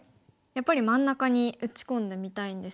やっぱり真ん中に打ち込んでみたいんですが。